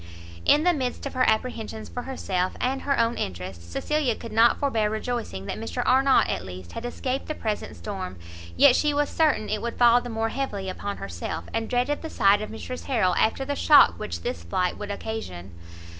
In the midst of her apprehensions for herself and her own interest, Cecilia could not forbear rejoicing that Mr Arnott, at least, had escaped the present storm; yet she was certain it would fall the more heavily upon herself; and dreaded the sight of Mrs Harrel after the shock which this flight would occasion.